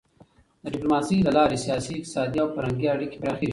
د ډيپلوماسی له لارې سیاسي، اقتصادي او فرهنګي اړیکې پراخېږي.